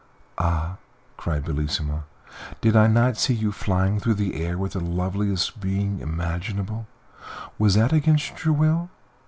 "Ah!" cried Bellissima, "did I not see you flying through the air with the loveliest being imaginable? Was that against your will?"